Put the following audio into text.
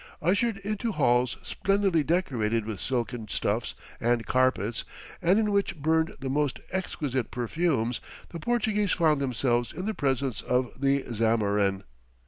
Ushered into halls splendidly decorated with silken stuffs and carpets, and in which burned the most exquisite perfumes, the Portuguese found themselves in the presence of the Zamorin.